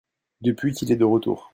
Depuis qu'il est de retour.